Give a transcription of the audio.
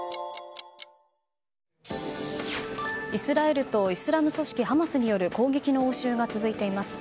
イスラエルとイスラム組織ハマスによる攻撃の応酬が続いています。